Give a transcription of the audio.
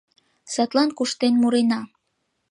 Садлан куштен мурена.